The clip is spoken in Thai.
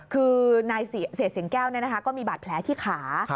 คือนายเศษสิงแก้วก็มีบาดแผลที่ขา